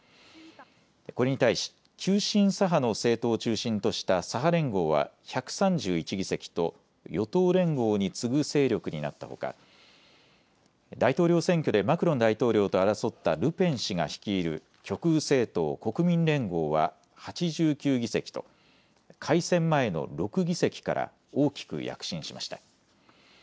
これに対し、急進左派の政党を中心とした左派連合は１３１議席と、与党連合に次ぐ勢力になったほか、大統領選挙でマクロン大統領と争ったルペン氏が率いる極右政党国民連合は８９議席と、改選前の６議席から大きく躍進しました。